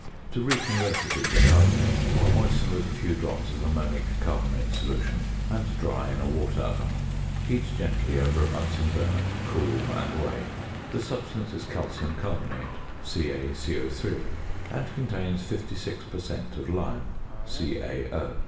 To reconvert it into carbonate, moisten with a few drops of ammonic carbonate solution, and dry in a water oven. Heat gently over a Bunsen burner, cool, and weigh. The substance is calcium carbonate (CaCO_), and contains 56 per cent. of lime (CaO).